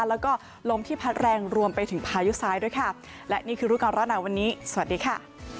แล้วก็ลมที่พัดแรงรวมไปถึงพายุซ้ายด้วยค่ะและนี่คือรูปการณ์หนาวันนี้สวัสดีค่ะ